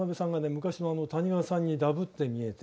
昔の谷川さんにダブって見えて。